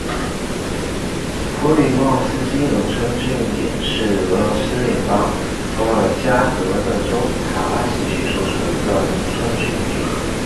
普里莫尔斯基农村居民点是俄罗斯联邦伏尔加格勒州卡拉奇区所属的一个农村居民点。